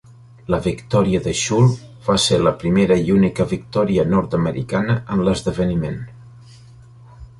La victòria de Schul va ser la primera i única victòria nord-americana en l'esdeveniment.